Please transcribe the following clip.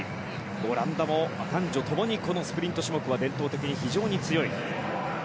オランダも男女共にスプリント種目は伝統的に非常に強い。